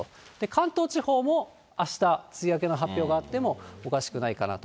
関東地方もあした、梅雨明けの発表があってもおかしくないかなと。